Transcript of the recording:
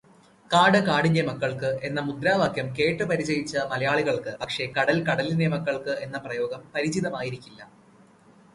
കാട് കാടിൻറെ മക്കൾക്ക് എന്ന മുദ്രാവാക്യം കേട്ടുപരിചയിച്ച മലയാളികൾക്ക് പക്ഷേ കടൽ കലടിൻറെ മക്കൾക്ക് എന്ന പ്രയോഗം പരിചിതമായിരിക്കില്ല